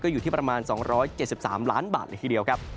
อยู่ที่ประมาณ๒๗๓ล้านบาทเลยทีเดียวครับ